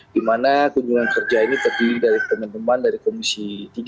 di mana kunjungan kerja ini terdiri dari teman teman dari komisi tiga